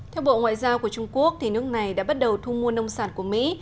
theo bộ ngoại giao của trung quốc nước này đã bắt đầu thu mua nông sản của mỹ